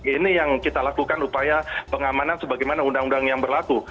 ini yang kita lakukan upaya pengamanan sebagaimana undang undang yang berlaku